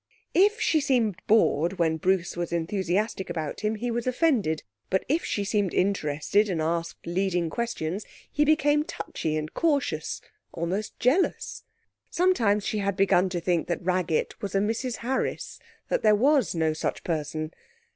If she seemed bored when Bruce was enthusiastic about him, he was offended; but if she seemed interested and asked leading questions, he became touchy and cautious, almost jealous. Sometimes she had begun to think that Raggett was a Mrs Harris that there was no such person.